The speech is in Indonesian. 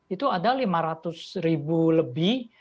itu ada lima ratus ribu lebih